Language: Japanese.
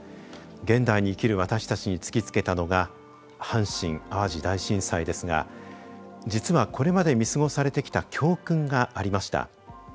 現代に生きる私たちに突きつけたのが阪神・淡路大震災ですが実はこれまで見過ごされてきた教訓がありました。